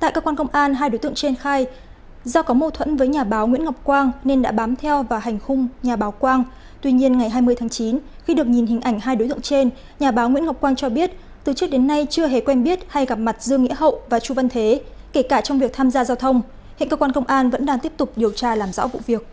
tại cơ quan công an hai đối tượng trên khai do có mâu thuẫn với nhà báo nguyễn ngọc quang nên đã bám theo vào hành hung nhà báo quang tuy nhiên ngày hai mươi tháng chín khi được nhìn hình ảnh hai đối tượng trên nhà báo nguyễn ngọc quang cho biết từ trước đến nay chưa hề quen biết hay gặp mặt dương nghĩa hậu và chu văn thế kể cả trong việc tham gia giao thông hiện cơ quan công an vẫn đang tiếp tục điều tra làm rõ vụ việc